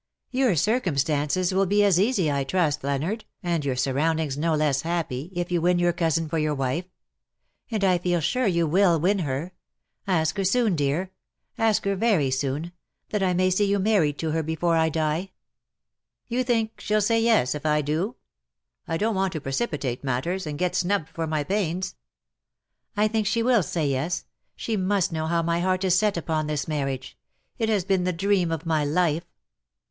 " Your circumstances will be as easy, I trust, Leonard, and your surroundings no less happy, if you win your cousin for your wife. And I feel sure you will win her. Ask her soon, dear — ask her very soon — that I may see you married to her before I die." " You think she^ll say yes, if I do ? I don't want to precipitate matters, and get snubbed for my pains.'''' " I think she will say yes. She must know how my heart is set upon this marriage. It has been the dream of my life."